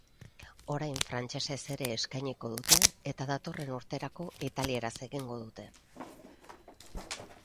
Orain frantsesez ere eskainiko dute eta datorren urterako italieraz egingo dute.